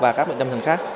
và các bệnh tâm thần khác